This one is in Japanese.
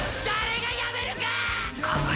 誰がやめるか！